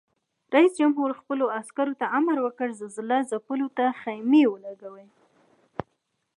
رئیس جمهور خپلو عسکرو ته امر وکړ؛ زلزله ځپلو ته خېمې ولګوئ!